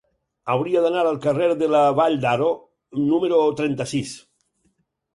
Hauria d'anar al carrer de la Vall d'Aro número trenta-sis.